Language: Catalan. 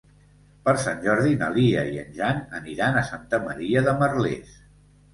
Per Sant Jordi na Lia i en Jan aniran a Santa Maria de Merlès.